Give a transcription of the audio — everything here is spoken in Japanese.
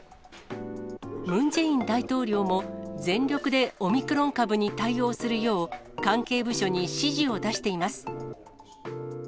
ムン・ジェイン大統領も、全力でオミクロン株に対応するよう、関係部署に指示を出しています。